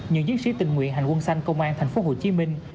những chiến sĩ tình nguyện hành quân xanh công an thành phố hồ chí minh